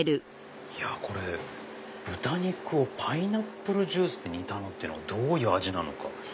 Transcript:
豚肉をパイナップルジュースで煮たのっていうのはどういう味なのか？